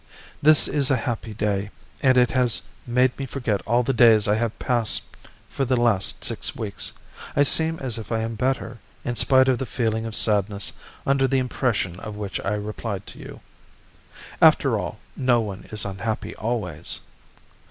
This is a happy day, and it has made me forget all the days I have passed for the last six weeks. I seem as if I am better, in spite of the feeling of sadness under the impression of which I replied to you. After all, no one is unhappy always.